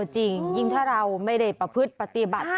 จริงยิ่งถ้าเราไม่ได้ประพฤติปฏิบัติ